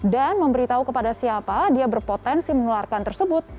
dan memberitahu kepada siapa dia berpotensi menularkan tersebut